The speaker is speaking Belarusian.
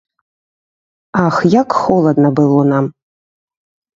Ах, як холадна было нам.